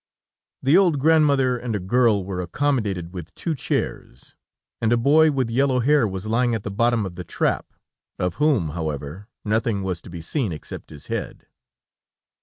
The old grandmother and a girl were accommodated with two chairs, and a boy with yellow hair was lying at the bottom of the trap, of whom however, nothing was to be seen except his head.